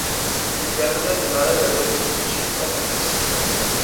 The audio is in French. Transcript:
Il y amena des malades à l'aide d'une jeep ambulance.